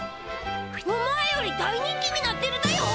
前より大人気になってるだよ！